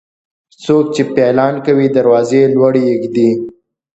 څوک چې پيلان کوي، دروازې لوړي اېږدي.